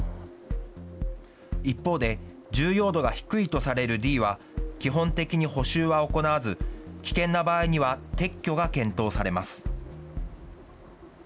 一方で重要度が低いとされるＤは、基本的に補修は行わず、危険な場合には撤去が検討されます。